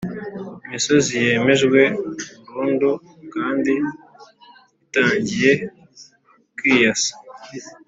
Imisozi yemejwe burundu kandi itangiye kwiyasa